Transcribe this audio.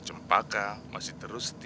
semoga kembali lagi